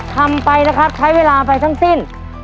ทำไปนะครับใช้เวลาไปทั้งสิ้น